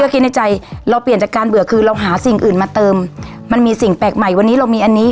คิดในใจเราเปลี่ยนจากการเบื่อคือเราหาสิ่งอื่นมาเติมมันมีสิ่งแปลกใหม่วันนี้เรามีอันนี้